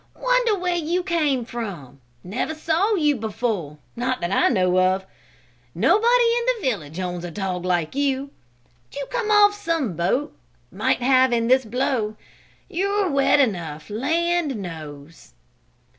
"Wonder where you came from? Never saw you before that I know of. Nobody in the village owns a dog like you! Did you come off some boat? Might have in this blow; you're wet enough, land knows!"